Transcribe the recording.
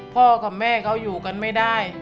พ่อกับแม่เขาอยู่กันไม่ได้